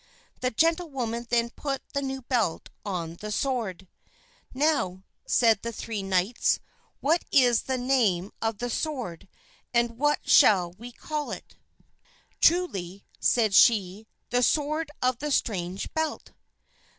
The gentlewoman then put the new belt on the sword. "Now," said the three knights, "what is the name of the sword and what shall we call it?" "Truly," said she, "the Sword of the Strange Belt."